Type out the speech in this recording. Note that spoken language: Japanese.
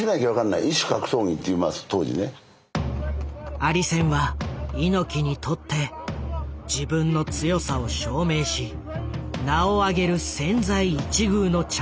アリ戦は猪木にとって自分の強さを証明し名を上げる千載一遇のチャンス。